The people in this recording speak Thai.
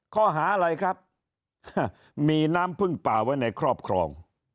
ข้อหาอะไรครับมีน้ำพึ่งป่าไว้ในครอบครอง